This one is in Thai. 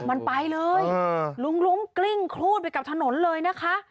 มันไปเลยลุงล้มกลิ้งครูดไปกับถนนเลยนะคะ